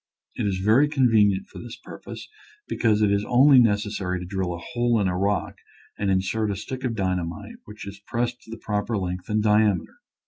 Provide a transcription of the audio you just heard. It is very convenient for this purpose, because it is only necessary to drill a hole in a rock and insert a stick of dyna mite which is pressed into the proper length and diameter.